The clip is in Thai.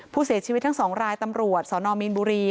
ผู้เสียชีวิตทั้ง๒รายตำรวจสนมีนบุรี